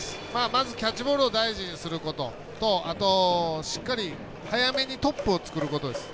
まず、キャッチボールを大事にすることとあと、しっかり早めにトップを作ることです。